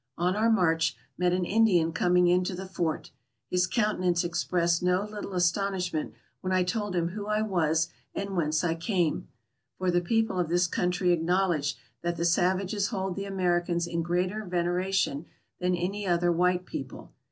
On our march, met an Indian coming into the fort; his countenance expressed no little astonishment when I told him who I was and whence I came, for the people of this country acknowl edge that the savages hold the Americans in greater venera tion than any other white people.